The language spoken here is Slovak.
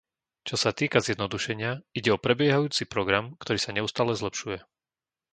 Čo sa týka zjednodušenia, ide o prebiehajúci program, ktorý sa neustále zlepšuje.